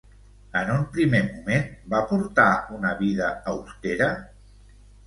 En un primer moment, va portar una vida austera?